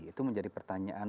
itu menjadi pertanyaan